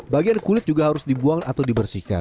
bagian kulit juga harus dibuang atau dibersihkan